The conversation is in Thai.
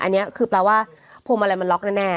อันนี้คือแปลว่าพวงมาลัยมันล็อกแน่